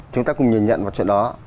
chúng ta cùng nhìn nhận vào chuyện đó